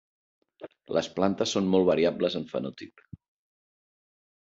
Les plantes són molt variables en fenotip.